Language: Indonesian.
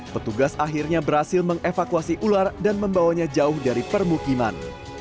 petugas akhirnya berhasil mengevakuasi ular dan membawanya jauh dari permukiman